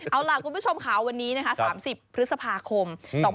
เอาล่ะคุณผู้ชมขาววันนี้๓๐พฤษภาคม๒๕๖๐